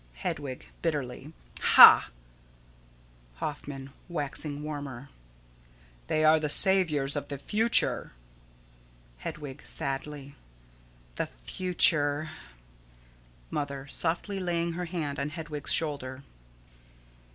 Hedwig: [Bitterly.] Ha! Hoffman: [Waxing warmer.] They are the saviors of the future. Hedwig: [Sadly.] The future! Mother: [_Softly, laying her hand on Hedwig's shoulder.